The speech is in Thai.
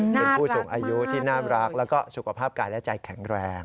เป็นผู้สูงอายุที่น่ารักแล้วก็สุขภาพกายและใจแข็งแรง